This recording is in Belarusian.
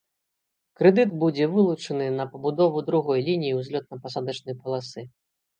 Крэдыт будзе вылучаны на пабудову другой лініі ўзлётна-пасадачнай паласы.